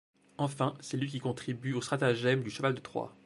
Enfin, c'est lui qui contribue au stratagème du cheval de Troie.